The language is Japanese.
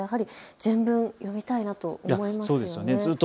全文読みたいなと思います。